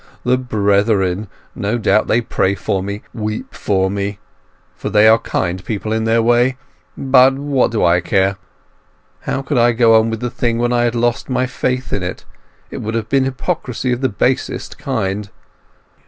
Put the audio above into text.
The brethren! No doubt they pray for me—weep for me; for they are kind people in their way. But what do I care? How could I go on with the thing when I had lost my faith in it?—it would have been hypocrisy of the basest kind!